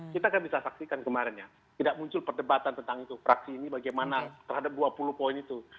kita kan bisa saksikan kemarin ya tidak muncul perdebatan tentang itu fraksi ini bagaimana terhadap dua puluh poin itu